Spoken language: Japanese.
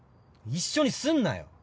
一緒にすんなよ。